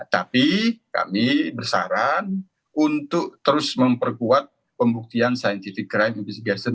tapi kami bersarang untuk terus memperkuat pembuktian scientific crime investigation